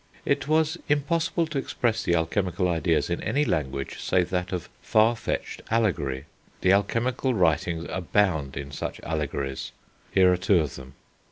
It was impossible to express the alchemical ideas in any language save that of far fetched allegory. The alchemical writings abound in such allegories. Here are two of them.